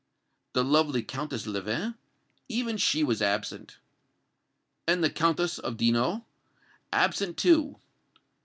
"The lovely Countess Leven " "Even she was absent." "And the Countess of Dino?" "Absent, too."